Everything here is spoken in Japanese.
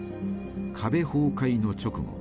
壁崩壊の直後